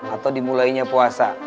atau dimulainya puasa